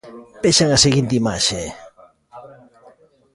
Vexan a seguinte imaxe.